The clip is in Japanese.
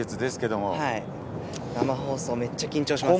生放送めっちゃ緊張しますね。